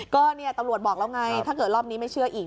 ก็เนี่ยตำรวจบอกแล้วไงถ้าเกิดรอบนี้ไม่เชื่ออีก